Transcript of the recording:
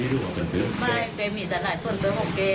ไม่เคยมีท่านหน่ายส่วนตัวของเคย